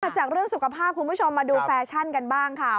จากเรื่องสุขภาพคุณผู้ชมมาดูแฟชั่นกันบ้างค่ะ